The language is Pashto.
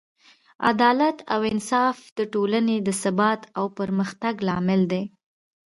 عدالت او انصاف د ټولنې د ثبات او پرمختګ لامل دی.